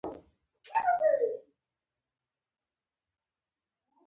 هلته ډیرو کارګرانو مجسمې جوړولې.